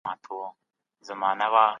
مطالعه کول د وخت ضایع کول نه دي.